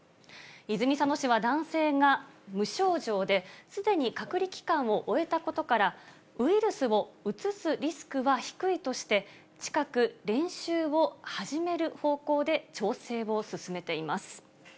泉佐野市は、男性が無症状で、すでに隔離期間を終えたことから、ウイルスをうつすリスクは低いとして、近く、練習を始める方向で調整を進めています。